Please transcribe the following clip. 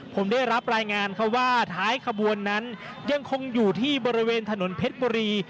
ผมได้รับรายงานเขาว่าท้ายขบวนนั้นยังคงอยู่ที่บริเวณถนนเพชรบุรี